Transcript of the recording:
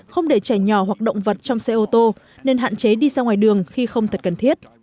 không để trẻ nhỏ hoặc động vật trong xe ô tô nên hạn chế đi ra ngoài đường khi không thật cần thiết